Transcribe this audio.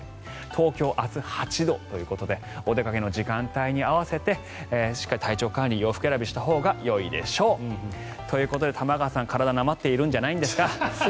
東京、明日８度ということでお出かけの時間帯に合わせてしっかり体調管理洋服選びをしたほうがいいでしょう。ということで玉川さん体なまってるんじゃないですか。